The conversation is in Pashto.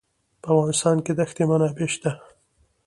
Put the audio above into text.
په افغانستان کې د ښتې منابع شته.